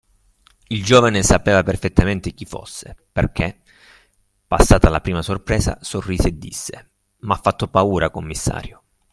il giovane sapeva perfettamente chi fosse, perché, passata la prima sorpresa, sorrise e disse: M'ha fatto paura, commissario!